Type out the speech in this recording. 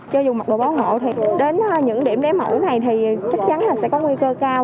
cho dùng mặc đồ bảo hộ thì đến những điểm lấy mẫu này thì chắc chắn là sẽ có nguy cơ cao